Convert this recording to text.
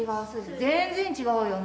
全然違うよね。